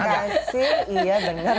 kekasih iya bener